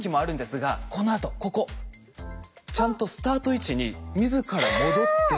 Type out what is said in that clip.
このあとここ。ちゃんとスタート位置に自ら戻って。